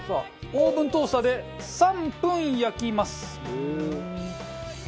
オーブントースターで３分焼きます。